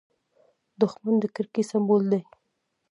دښمن د کرکې سمبول دی